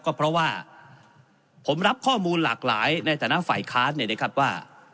ก็เพราะว่าผมรับข้อมูลหลากหลายในฐานะฝ่ายค้านเนี่ยนะครับว่า